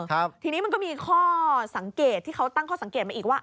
ทีนี้มันก็มีข้อสังเกตที่เขาตั้งข้อสังเกตมาอีกว่า